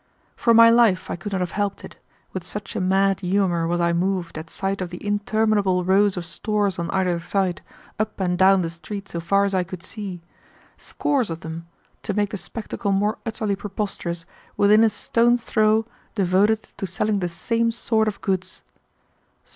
For my life I could not have helped it, with such a mad humor was I moved at sight of the interminable rows of stores on either side, up and down the street so far as I could see scores of them, to make the spectacle more utterly preposterous, within a stone's throw devoted to selling the same sort of goods.